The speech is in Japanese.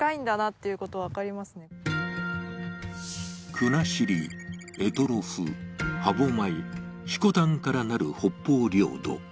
国後、択捉、歯舞、色丹からなる北方領土。